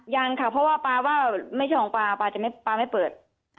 ยังค่ะเพราะว่าปลาว่าไม่ใช่ของปลาปลาไม่เปิด